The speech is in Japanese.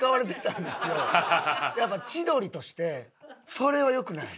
やっぱ千鳥としてそれはよくない。